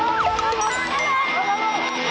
โอ้โฮโอ้โฮโอ้โฮ